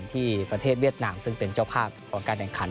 ที่ประเทศเวียดนามซึ่งเป็นเจ้าภาพของการแข่งขัน